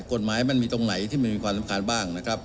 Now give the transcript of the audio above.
กฎหมายมันมีตรงไหนที่มันมีความสำคัญบ้างนะครับ